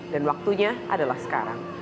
dan waktunya adalah sekarang